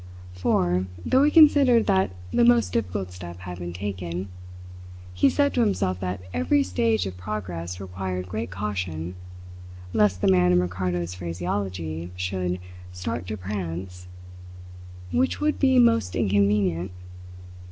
For, though he considered that the most difficult step had been taken, he said to himself that every stage of progress required great caution, lest the man in Ricardo's phraseology, should "start to prance" which would be most inconvenient.